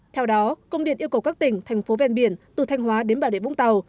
theo đó công điện yêu cầu các tỉnh thành phố ven biển từ thanh hóa đến bà rịa vũng tàu